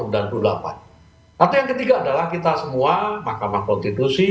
tapi yang ketiga adalah kita semua mahkamah konstitusi